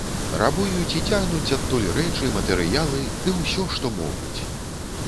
Рабуюць і цягнуць адтуль рэчы, матэрыялы, ды ўсё, што могуць.